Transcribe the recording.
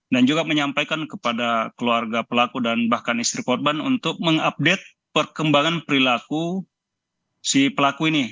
dan juga menyampaikan kepada keluarga pelaku dan bahkan istri korban untuk mengupdate perkembangan perilaku si pelaku ini